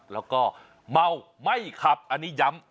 แล้วก็เมาไม่ขับอันนี้ย้ำ